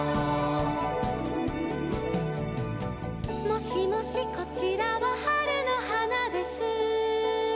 「もしもしこちらは春の花です」